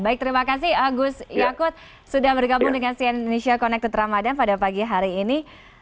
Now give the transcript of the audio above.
baik terima kasih gus yakut sudah bergabung dengan cn indonesia connected ramadan pada pagi hari ini